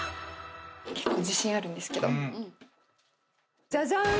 結構自信あるんですけどジャジャン！